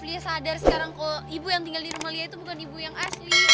beliau sadar sekarang kok ibu yang tinggal di rumah lia itu bukan ibu yang asli